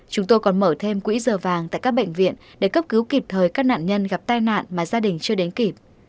chúng tôi còn mở thêm quỹ giờ vàng tại các bệnh viện để cấp cứu kịp thời các nạn nhân gặp tai nạn mà gia đình chưa đến kịp